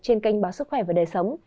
trên kênh báo sức khỏe và đời sống